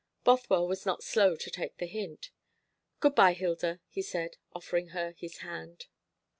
Bothwell was not slow to take the hint. "Good bye, Hilda," he said, offering her his hand.